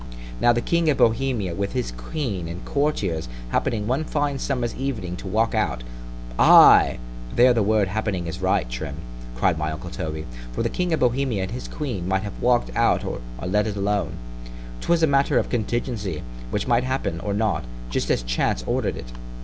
Now the King of Bohemia with his queen and courtiers happening one fine summer's evening to walk out——Aye! there the word happening is right, Trim, cried my uncle Toby; for the King of Bohemia and his queen might have walk'd out or let it alone:——'twas a matter of contingency, which might happen, or not, just as chance ordered it.